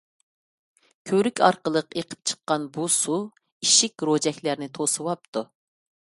كۆۋرۈك ئارقىلىق ئېقىپ چىققان بۇ سۇ ئىشىك، روجەكلەرنى توسۇۋاپتۇ.